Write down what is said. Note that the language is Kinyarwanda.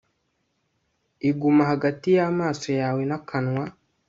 iguma hagati yamaso yawe nakanwa